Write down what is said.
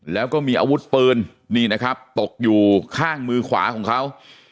แล้วก็มีอาวุธปืนนี่นะครับตกอยู่ข้างมือขวาของเขา